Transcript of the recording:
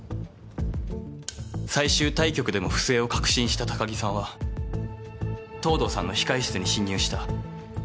最終対局でも不正を確信した高城さんは藤堂さんの控室に侵入した。